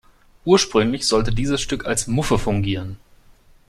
Ursprünglich sollte dieses Stück als Muffe fungieren.